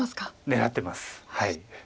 狙ってます。